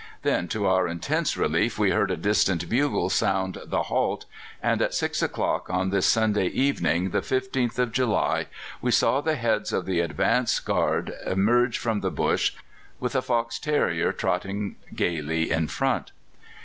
Then, to our intense relief, we heard a distant bugle sound the 'Halt!' and at six o'clock on this Sunday evening, the 15th of July, we saw the heads of the advance guard emerge from the bush, with a fox terrier trotting gaily in front.